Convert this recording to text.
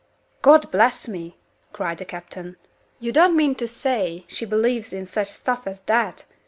"God bless me!" cried the captain, "you don't mean to say she believes in such stuff as that?